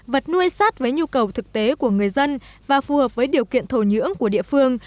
vật nuôi sát với nhu cầu thực tế của người dân và phù hợp với điều kiện thổ nhưỡng của địa phương